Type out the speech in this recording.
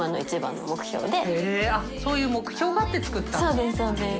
そうですそうです。